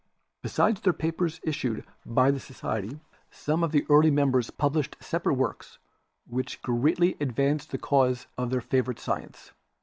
Besides their papers issued by the society, some of the early members published separate works which greatly advanced the cause of their favorite science.